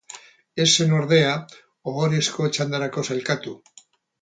Ez zen ordea ohorezko txandarako sailkatu.